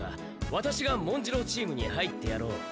ワタシが文次郎チームに入ってやろう。